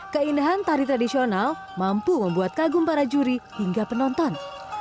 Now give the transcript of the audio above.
keindahan tari tradisional mampu membuat kagum para juri hingga penonton